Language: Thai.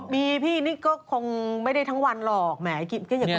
บีนี่ก็คงไม่ได้ทั้งวันหรอกแม้อยากไปดูบ่อน